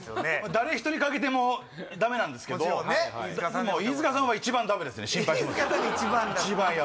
誰一人欠けてもダメなんですけど飯塚さんは一番ダメですね心配します一番ヤバい「飯塚さんが一番ダメ」